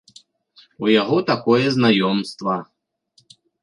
У яго такое знаёмства.